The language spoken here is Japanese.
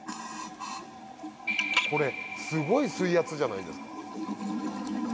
これすごい水圧じゃないですか？